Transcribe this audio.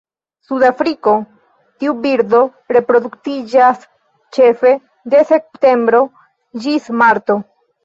En Sudafriko, tiu birdo reproduktiĝas ĉefe de septembro ĝis marto.